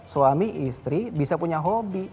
suami istri bisa punya hobi